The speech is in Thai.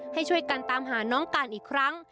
ให้ช่วยกันตามหาน้องการอีกครั้ง